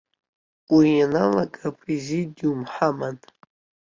Уи ианалга, апрезидиум ҳаман.